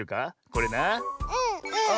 これな。